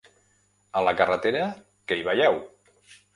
A la carretera, què hi veieu?